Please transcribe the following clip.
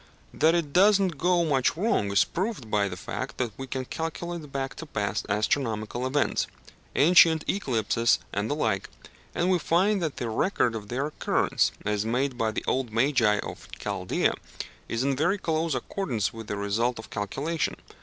That it does not go much wrong is proved by the fact that we can calculate back to past astronomical events ancient eclipses and the like and we find that the record of their occurrence, as made by the old magi of Chaldæa, is in very close accordance with the result of calculation.